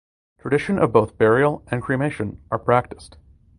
Tradition of both burial and cremation are practised.